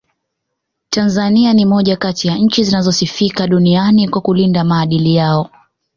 Tanzania ni moja kati ya nchi zinazosifika duniani kwa kulinda maadili yao